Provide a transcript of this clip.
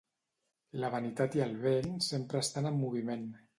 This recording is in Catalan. La vanitat i el vent sempre estan en moviment.